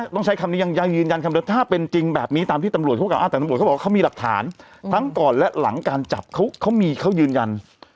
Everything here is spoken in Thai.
ถ้าเป็นจริงแบบนี้ตามที่ตำรวจบอกว่าเขามีหลักฐานทั้งก่อนและหลังการจับเขามีเขายืนยัน